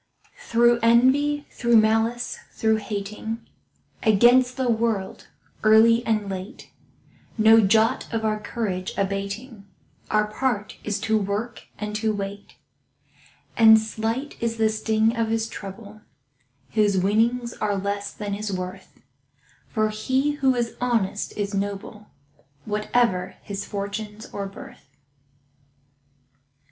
Through envy, through malice, through hating, Against the world, early and late, No jot of our courage abating— Our part is to work and to wait. And slight is the sting of his trouble Whose winnings are less than his worth; For he who is honest is noble, Whatever his fortunes or birth.